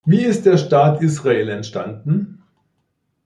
Wie ist der Staat Israel entstanden?